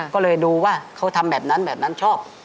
ก็เลยดูว่าเขาทำแบบนั้นชอบ